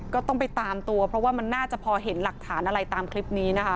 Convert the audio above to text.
ก็ต้องไปตามตัวเพราะว่ามันน่าจะพอเห็นหลักฐานอะไรตามคลิปนี้นะคะ